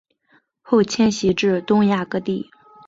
后迁徙至东亚各地。